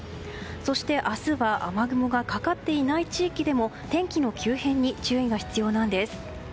そして、明日は雨雲がかかっていない地域でも天気の急変に注意が必要なんです。